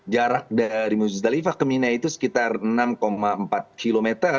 jarak dari muzdalifah ke mina itu sekitar enam empat km